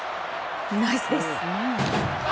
ナイスです。